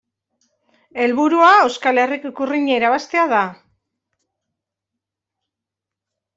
Helburua Euskal Herriko ikurrina irabaztea da.